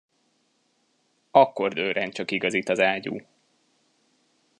Akkor dörren csak igazit az ágyú.